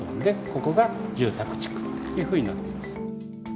ここが住宅地区というふうになっています。